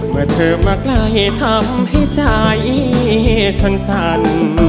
เมื่อเธอมาไกลทำให้ใจฉันสั่น